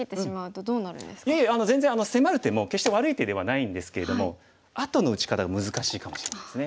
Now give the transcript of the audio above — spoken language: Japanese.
いえいえ全然迫る手も決して悪い手ではないんですけれどもあとの打ち方が難しいかもしれないですね。